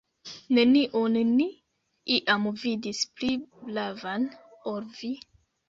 Neniun ni iam vidis pli bravan, ol vi!